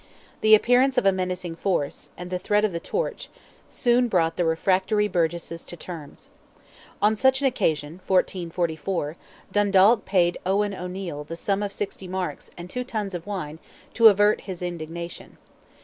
The appearance of a menacing force, and the threat of the torch, soon brought the refractory burgesses to terms. On such an occasion (1444) Dundalk paid Owen O'Neil the sum of 60 marks and two tuns of wine to avert his indignation.